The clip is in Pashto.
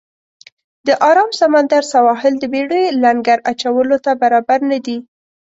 د آرام سمندر سواحل د بېړیو لنګر اچولو ته برابر نه دی.